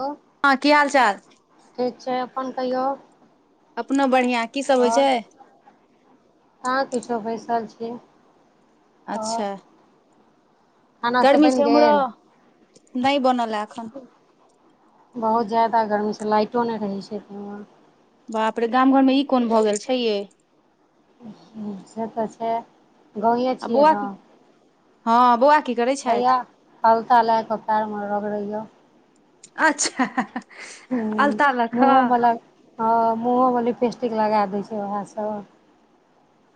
hello हाँ की हाल चाल ठीक छै अपन कहियौ अपनो बढ़िआँ की सब होइ छै और कहा किछोै बैस ल छियै अच्छा खाना सब गर्मी बनि छै उमहरो गेल नै बनल यै एखन बहुत ज्यादा गर्मी छै लाइटो नहि रहै छै एहि ठुमा बाप रे गाम घरमे ई कोन भऽ गेल छै ये से तऽ छै गाँवे आ छियै बौआ ने की हँ बौआ की करै हैया छथि अलता लए कऽ पएरमे रगड़ैयै अच्छा हां हां ह मुआवला मुहोमे लिपिस्टिक कटीक लगाए दै छै उएहसभ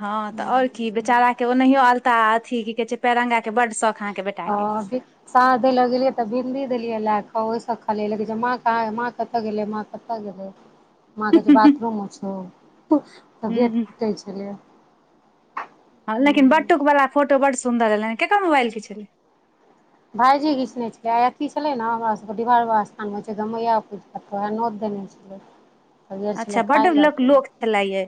हँ तऽ और की बेचारा के ओनहियो अलता अथी की कहे छै पेरंगा के बड शौक ह सांझ दे लै गेलियै तऽ बिन्दी देलियै लए क ओहिसँ खालिया लगै छै माँ कह माँ कतऽ गेलै माँ कतऽ गेलै माँ कहै छै बाथरूम मे छौ तऽ ओ गेट हूँ पिटै छलैया हँ लेकिन बटुकवला फोटो बड्ड सुन्दर एलै ककर मोबाइलके छलै भाईजी घीचने छलै आ अथी छलै ने हमरा सबके डिहबार बाबा स्थानमे मैया पूजत नव कने छलै हरीयर अच्छा छलै बड्ड खाय लऽ लोक त लोक छले ये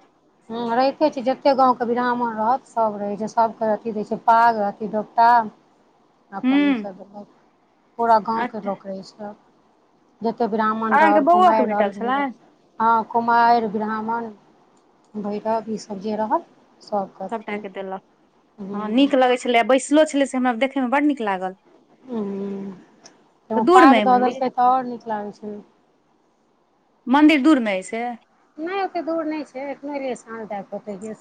ह्म रहिते छै जते गाँंव के बिराह्मण सब रहै छै सबके अथी दै छै पाग अथि दूपटा पानि हूँ सब देलक पूरा गाँवके अच्छा लोक रहै छै जते ब्राह्मण अहाँके रहल बौओ के कुमारी रहल भेटल भैरव छलनि रहल हँ कुमारी ब्राह्मण भैरव ई सब जे रहल सभ करथिन सबटाकेँ देलक हँ हूँ नीक लगै छलै आ बैसलो छलै से हमरा देखयमे बड्ड नीक लागल ह्म एगो तऽ दूरमे पाग अइ दऽ मन्दिर देलकै तऽ और नीक लागै छलै मन्दिर दूरमे अइ से नहि ओेते दूर नहि छै एक नहि रस ह त कतै [unintelligible]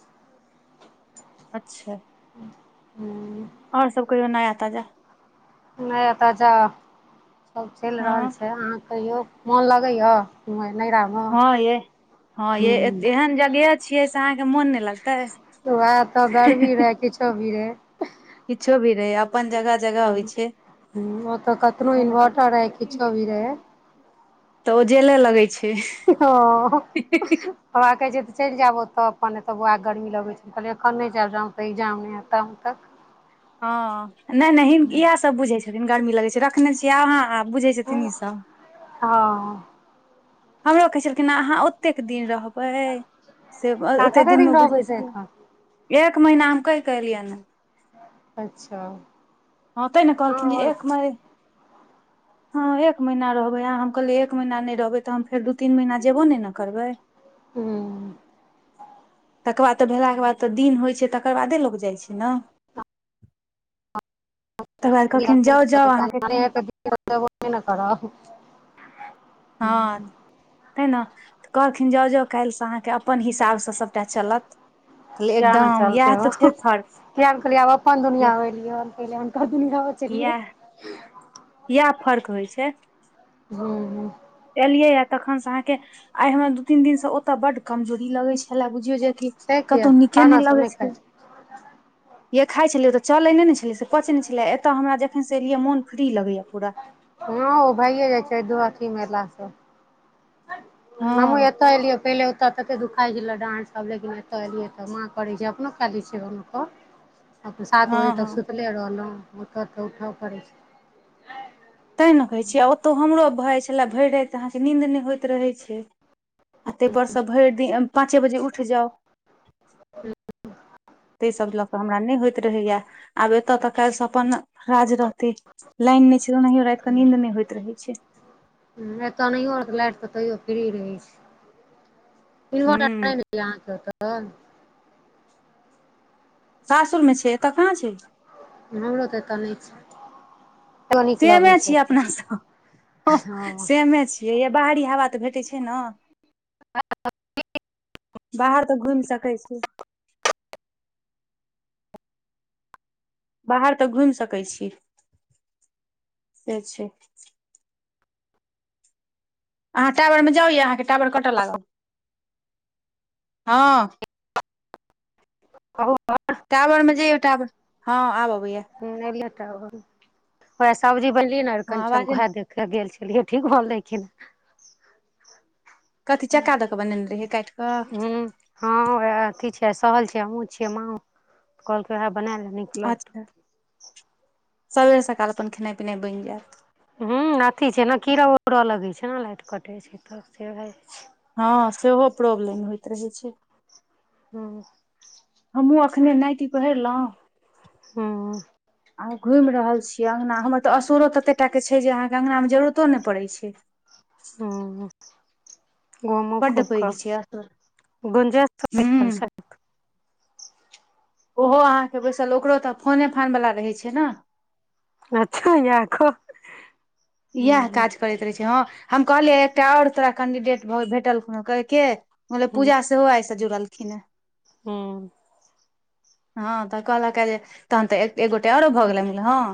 अच्छा और सब कहियौ नाया ताजा नहि एतऽ जा सब चैल रहल हँ छै अहाँ कहियो मोन लगैया नहिरामे हँ यै हँ ये एहन जगहे छियै से अहाँके मोन नहि लगतै वएह तऽ गरमी रहे किछो भी रहे किछो भी रहै आब ह्म ह्म ओ तऽ कतनो तैं ने इन्वर्टर रहै किछो भी रहै कहलौं तऽ ओ जेले लगै छै ओकरा कहै छै चैल जाब ओतऽ अपन एतय बौआ गर्मी लगै छै कहलियै एखन नहि जायब जा हम तऽ इगजाम नहि हेत तम्ह तक हँ नहि नहिहिन हँ इएह सब बुझै छथिन गर्मी लगै छै रखने छियै अहाँ आब बुझै छथिन ई सब अहाँ हमरो कहै छलखिन हँ अहाँ ओतेक दिन रहबै से ओतेक कते दिनमे दिन रहबै बुझै से एखन छियै एक महीना हम कहि क एलियै न है अच्छा हँ तै ने कहलखिन जे आओर एक महि [inaudible] हँ एक महीना रहबै अहाँ हम कहलियै एक महीना नहि रहबै तऽ हम फेर दू तीन महीना जेबो नहि ने करबै ह्म तकर बाद तऽ भेलाके बाद तऽ दिन होइ छै तकर बादे लोक जाइ छै ने तकर बाद कहलखिन जाउ जाउ अहाँके [unintelligible] हँ तै न तऽ कहलखिन जाउ जउ काल्हिसँ अहाँके अपन हिसाबसँ सब टा चलत कहलियै किया ने एकदम चलते इएह हो तऽ छै फर्क किया नहि कहलि आब अपन इएह दुनिया एलियैल हम त दुनिया बचलियै इएह [unintelligible] इएह फर्क होइ छै हूँ हुँ एलियै या तखन से अहाँके आइ हमरा दू तीन दिनसँ ओतय बड्ड कमजोरी लगै छलै बुझ बुझियौ जे की से किया कतौ नीके खाना नहि सब लगै खाइ छै य खाइ छलियै तऽ चलयने ने छलै से पचैतनहि छलै एत हमरा जखनसँ एलियै मोन फ्री लगैए हँ ओ भइए जाइ छै दु अथी मेलासँ हमु हँ एत इलिय पहिले एतऽ तते दुखाइ छल डाट सब लेकिन एत एलियै तऽ माँ करै छै अपनो कए दै छियै हुनको अपन सात बजे हँ हँ तक सुतले रहलौ ओतय तऽ उठ पड़ै छै तैँ ने कहै छियै ओतहु हमरो भ जाइ छलय भैर रात अहाँके नींन्द नहि होइत रहै छै आ ताहिपर सँ भरि दिन पाँचे बजे उठि जाउ त सब लग हमरा नहि होइत रहैया आब एतय तऽ काल से अपन राज रहते लाइन नहि छै ओनाहियो राति कऽ नींद नहि होइत रहै छै ह एतए नहि रहितै लाइट एतय फ्री रहै छै इनभर्टर नै हूँ लेलियै अहाँके एखैन सासुरमे छै एतय कहाँ छियै हमरो तऽ एतय नहि छै तैयो नीक सेमे लगै छै छियै एतय अपनासँ हँ सेमे छियै यझ बाहरी इएहा बात भेटैत छै ने बाहर तऽ घुमि सकै छी बाहर तक घुमि सकै छी से छै अहाँ टावरमे जाउए अहाँके टावर कटैय लागल हँ [unintelligible] टावरमे जइयौ टावर हँ आब अबैया वह सब्जी बनलियै न हँ हरिकंचनके आवाजे उहाए देख गेल छलिए कहिलिए ठीक भेल कि नाहि कथि चक्का दके बनैने रहिए काटि कऽ हूँ हँ उएह अथी छै सहल छै हमहुं चियै मा कहलकै उएह बनाय ले नीक लगतौ अच्छा सबेरे सकाल अपन खेनाइ पिनाइ बनि जायत हुं अथी छै ने कीड़ा उड़ा लगै छै ने लाइट कटे छै तऽ भए जा हँ सेहो प्रॉब्लम होइत रहै छै हँ हमहूँ एखने नाइटि पहिरलहुँ हँ आ घुमि रहल छियै अङ्गना हमर तऽ असुरो तऽतेक टाके छै जे अहाँके अङ्गनामे जरूरतो नहि पड़ै छै [unintelligible] घुमु बड्ड खूब पैघ छै असुर कऽ गुंजा हूँ [unintelligible] ओहो अहाँके बैसल ओकरो तऽ फोने फानवाला रहै छै नै अच्छा य आखो यैह काज करैत रहै छै हँ हम कहलियै एकटा और तोरा कैंडिडेट भअ भेटल हं कहि केअ हम कहलियनि पूजा सेहो आयल तऽ जोड़लखिन ह हँ हँ तऽ कहलक जे तहन तऽ एक गोटे आरो भऽ गेलै हम कहलियनि जे हं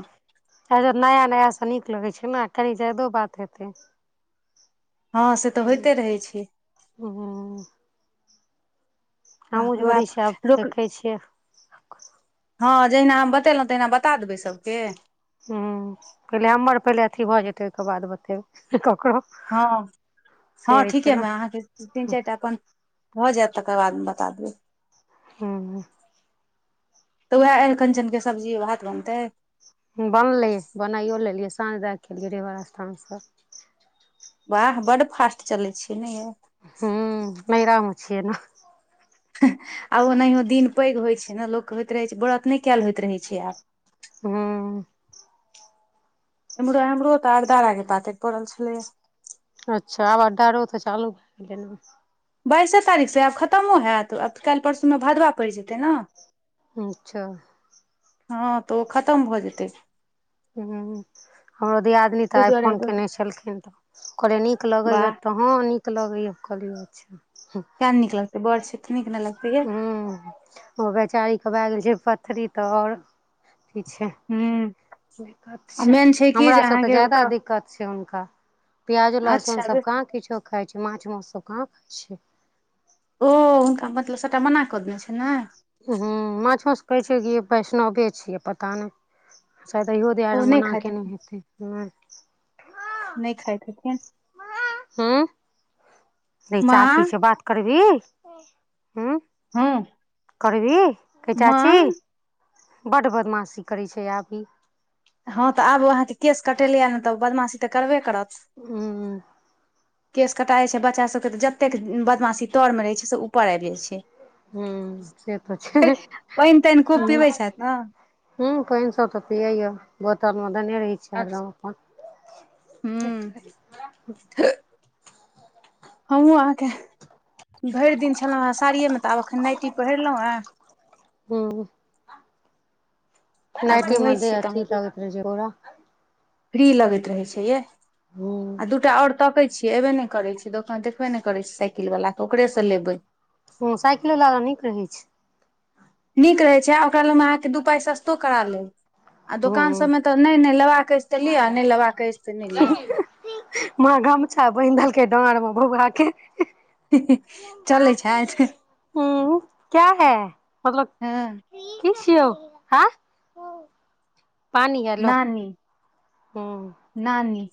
आओरो नया नयासँ नीक लगै छै ने कनि ज्यादो बात हेतै हँ से तऽ हूँ होइते रहै छै हूँ हमहूँ बापरे जोड़ै बाप छियै आब रोक देखै छियै हँ जहिना हम बतेलहुँ तहिना बता देबै सभके हुं पहिले हमर पहिले अथी भऽ जेतै ओहिके बाद बतेबै ककरो हँ हँ से हं होइ छै ने ठीकेमे अहाँके तीन चारि टा अपन भऽ जायत तकर बादमे बता देबै हँ तऽ उएह अरिकंचनके सब्जी भात बनतै बनलै बनाइओ लेलियै साँझ दए कअ एलियै डिहबार स्थानसँ वाह बड्ड फास्ट चलै छियै ने यै हू नैहरामे छियै ने आ ओनाहियओ दिन पैघ होइत छै ने लोककेँ होइत रहै छै व्रत नहि कयल होइत रहै छै आब हँ एमहरो एमहरो तऽ अरदार पातरि पड़ल छलैए अच्छा आब अधारो तऽ चालू भ बाइसे तारीखसँ आब खतमो हयैत आब तऽ काल्हि परसूमे भदवा पड़ि जेतै ने अच्छा हँ तऽ ओ खतम भऽ जेतै ह हमरो दियादिननी तऽ ताहि आइ दुआरे फोन कयने छलखिन हम कहलिए नीक लगैए वाह तँ नीक लगैए कहलियौ अच्छा किया नै नीक लागतै बड़ छै तऽ नीक नहि लगतै यै ह ओ बेैचारीके भए गेल छै पथरी तऽ आओर ठीक छै हूँ दिक्कत आ छै मेन कि जे हमरा सभके तऽ अहाँके ज्यादा ओतऽ दिक्कत छै हुनका प्याज अच्छा बे लहसुनसभ कहाँ किछो खाइ छै माछ माउससभ कहाँ खाइ छै ओ हुनका मतलब सबटा मना कऽ देने छै ने ह माछ माउस कहै छैै कि वैष्णवे छियै पता नहि शायद इहो ओ दुआरे नहि मना खाइत कयने हेथिन हेतै नहि नहि खाइत छथिन हूँ रै चाची से बात करबीही हूँ हँ करबी कहै चाची माँ बड्ड बदमाशी करै छै आब इ हँ तऽ आबू अहाँके केश कटेलियए ने तऽ बदमाशी तऽ करबे करत ह केश कटाइत छै बच्चासभके तऽ जतेक बदमाशी तरमे रहैत छै से ऊपर आबि जाइत छै ह से तऽ छै पानि तानि खूब पीबै छथि ने ह पानि सब तऽ पीयै यै बोतलमे देने रहै छियै हरदम अपन हमहूं अहाँके भरि दिन छलेलहुँ साड़िये मे तऽ आब एखन नाइटी पहिरलहुँ हेँ हँ आ नाइटी मे घूमै देह छी तऽ अथी अहूँके लागैत रहै छै झोरा फ्री लगैत रहे छै ये हूँ आ दूटा और तकै छी एबे ने करे छै ओकरा देखबे ने करे छै साइकिल वाला के ओकरे से लेबे हँ साइकिलो वाला तऽ नीक रहैत छै नीक रहै छै आ ओकरा ले हम अहाँके दू पाइ सस्तो करा लेब आ दोकान हूँ सभमे तऽ नहि ने लेबाक अछि तऽ लिअ नहि लेबाक अछि तऽ नहि लिअ माँ घमछा बन्हि देलकै डांर मे भोभरा छै चलै छथि हूँ क्या है मतलब हँ कि छियौ हँ पानी है लो नानी हूं नानी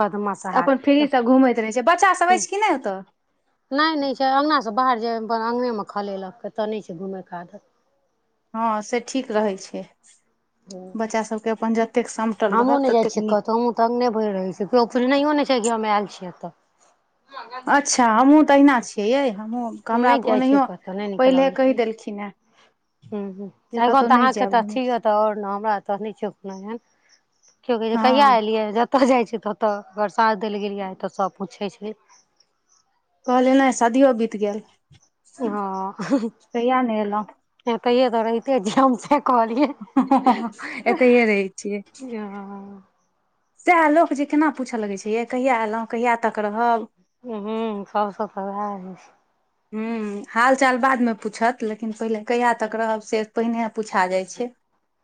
बदमाश हार अपन फ्रीसँ घुमैत रहै छै बच्चा सभ हूं अछि कि नहि ओतय नहि नहि छै अंगनासँ बाहर जेय अपन अंगनेमे खेलेलक अतय नहि छै घुमयके आदत हँ से ठीक रहैत छै बच्चा सभके अपन ज हमहुँ ने जाइ छियै कतौ हमहुँ तऽ अंगने भरि रहै छियै नकियो हममे आयल छियै एतऽ अच्छा हमहुँ तहिना छियै यै हमहूँ हमरा नहि जाइ छियै ओनाहियो कतहु नहि निक पहिले लगैत कहि रहै देलखिन हेँ छै ह एन जे कतहु तऽ नहि अहाँके जायब त घुमय अथि य त आर ने हमरा तो नै छै कोनो एहन के कहिया हँ अयलियै जतऽ जाइ छै तऽ ओतय परसाद देल गेलियै तऽ सब पूछै छै कहलिय नहि शादियो बीत गेल हँ कहिया ने एलहुँ तहिे तऽ रहिते छीयै हम सब कहलिय एतहिये रहै छियै आ सएह लोक जे केना पूछय लगै छै यै कहिया एलहुँ कहिया तक रहब हँ सबसँ तऽ उएह रहइ छै हू हालचाल बादमे पूछत लेकिन पहिले कहिया तक रहब से पहिने पूछा जाइत छै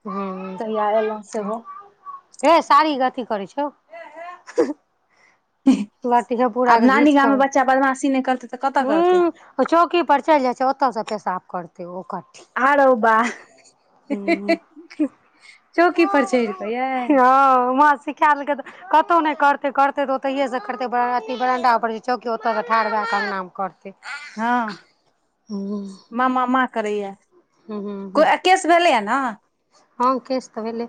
हँ कहिया एलहुँ सेहो हे सारीक अथी करै छौ [unintelligible] लठीे पूरा आब के नानी घीच गाममे कऽ बच्चा बदमाशी नहि करतै तऽ कतऽ करतै ह चौकी पर चलि जाइ छै ओतऽ से पे साफ करते ओ कट्ठी आरो बा चौकी पर चढ़ि कऽ यै ह मा सिखा देलकै त कतहु नइ करतै करतै तऽ ओतहिएसँ करतै अथी बरण्डापर जे चौकी ओतअ सॉ ठाढ़ भए क अंगना म करतै हँ हूँ मा मा मा करैय य हूँ हूँ कोइ केस भेलै ह न हँ केस तऽ भेलहि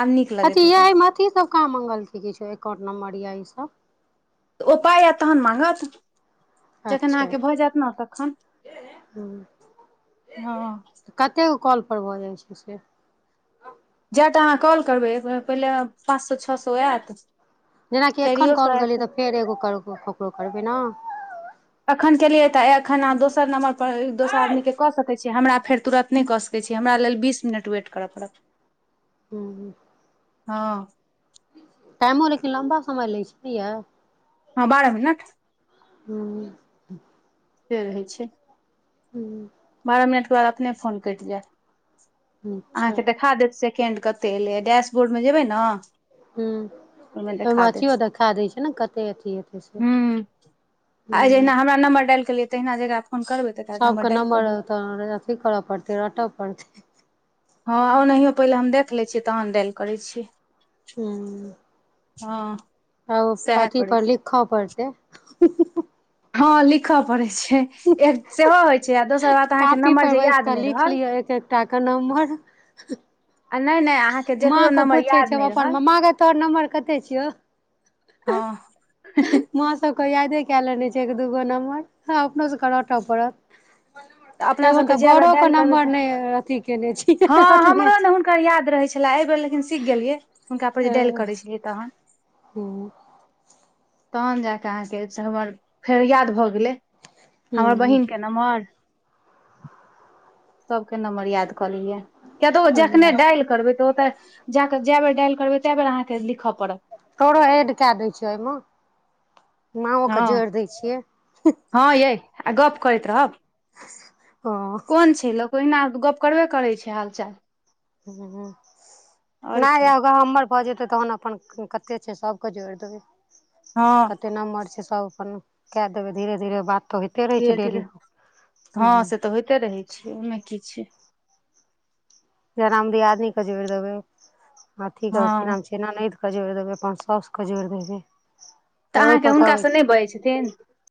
आब नीक अथि लगैत यै हेतनि एय म अथि सब का मंगलकै किछो एकाउंट नंबर या ई सब ओ पाइ ऐत तहन माँगत जखन अच्छा अहाँके भऽ जायत ने तखन हूँ हँ कतेक कऽ कॉल पर भऽ जाइ छै से जाए टा अहाँ कॉल करबै एक बेर म पहिले पाँच सै छ सै ऐत जेनाकि एखन चारियओ कॉल सै आइब करलियै तऽ सकै फेर एगो कर ककरो करबै ने एखन केलियै तऽ एखन अहाँ दोर नंबर पर एक दोसर आदमी के कऽ सकैत छीयै हमरा फेर तुरत नइ कऽ सकै छियै हमरा लेल बीस मिनट वेट करय पड़त हाँ हँ टाइमो लेकिन लंबा समम लै छै नइ यै हँ बारह मिनट हॅ से रहै छै हूँ बारह मिनटके बाद अपने फोन कइट जैत अच्छा अहाँके देखा देत सेकेंड कते एलै डैशबोर्ड मे जेबै नऽ हूँ ओइमे ओहिमे देखा देत अथियो देखा दै छै ने कते अथी हेतै से हूँ आ हूँ जहिना हमर नम्बर डाइल केलियै तहिना जकरा फोन करबै तकरा नंबर डायल कऽ देबै त अथी करऽ पड़त रटअ पड़ते हँ ओनाहियो पहिले हम देख लै छियै तहन डाइल करै छियै हू हँ आ ओ सएह अथी करै पर छी लिखअ पड़तै हँ लिखअ परै छै सेहो होइ छै दोसर बात कापी अहाँके पर जे बैस याद कऽ नहि लिख रहल लिअ एक एकटा के [unintelligible] आ नहि नहि अहाँके माँ जकरो के नम्बर पूछै याद छै नहि अपन रहल माँ गे तोहर नम्बर कते छियौ हँ को यादे कए लेने छै दूगो नम्बर अपनो सभके रटय पड़त अपना एखन सबके तऽ जय बेर बड़ो के डाइल करबै नम्बर त नहि अथी केने छी हँ रटने हमरो छी नइ हुनकर याद रहै छै छलै एहि बेर लेकिन सीख गेलियै हुनका पर जे डाइल करै छलियै तहन हू तहन जा कऽ अहाँके से सर्वर फेर याद भऽ गेलै हमर हूँ बहिन के नम्बर सबके नम्मर याद क ललिये किया तऽ ओ हूँ जखने डालि करबै तऽ ओत जयके जै बेर डाइल करबै तै बेर अहाँके लिखअ तोरो ऐड कए दै छियै एइ मे माँओ के हँ जोइर दै छियै हँ यै आ गप्प करैत रहब [inaudible] कोन छै लोक ओहिना गप्प करबे करै छै हाल चाल न की यै हमर भऽ जे तहन अपन कते छै सबकेँ जोड़ि देबै हँ कते नम्बर छै सब अपन कएै देबै धीरे धीरे बात तऽ होइते रहै छै धीरे धीरे डेली हूँ हँ से तऽ होइते रहै छै ओहिमे की छै जनाम दियादनी के जोड़ देबे अथी कर हँ की नाम छै एना जोड़ि देबय अपन सासु के जोड़ि देबय तऽ अहाँके हुनकासँ नहि बजैत छथिन